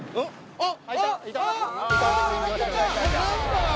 あっ！